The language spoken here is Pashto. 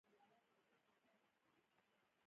ورسره په مقابل کې د پانګوال برخه زیاتېږي